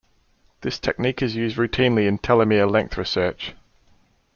This technique is used routinely in telomere length research.